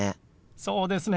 そうですね。